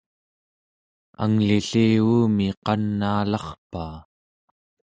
angli-lli uumi qanaalarpaa!